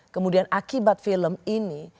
kemudian akibat film ini